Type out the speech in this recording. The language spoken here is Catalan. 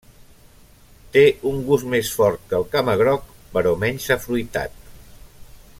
Té un gust més fort que el camagroc però menys afruitat.